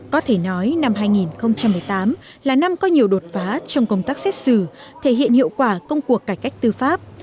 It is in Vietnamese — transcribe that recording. có thể nói năm hai nghìn một mươi tám là năm có nhiều đột phá trong công tác xét xử thể hiện hiệu quả công cuộc cải cách tư pháp